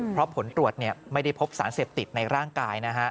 เพราะผลตรวจไม่ได้พบสารเสพติดในร่างกายนะฮะ